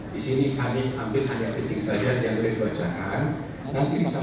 di sini kami ambil hanya detik saja yang boleh dibacakan